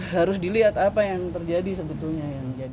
harus dilihat apa yang terjadi sebetulnya